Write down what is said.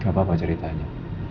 gak apa apa ceritanya